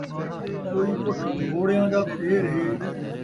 کئی اُٹھ گھوڑیاں دا پھیر ہے